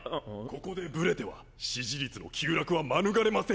ここでブレては支持率の急落は免れませんよ